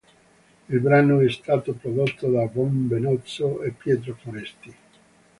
Il brano è stato prodotto da Bob Benozzo e Pietro Foresti.